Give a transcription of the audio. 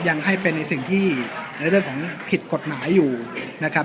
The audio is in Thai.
ยังให้เป็นในสิ่งที่ในเรื่องของผิดกฎหมายอยู่นะครับ